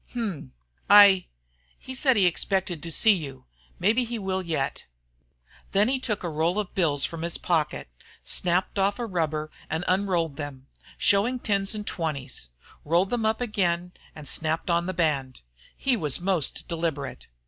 "Hum! I he said he expected to see you. Mebbe he will yet." Then he took a roll of bills from his pocket, snapped off a rubber and unrolled them, showing tens and twenties, rolled them up again and snapped on the band He was most deliberate.